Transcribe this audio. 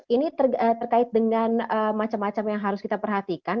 ini terkait dengan macam macam yang harus kita perhatikan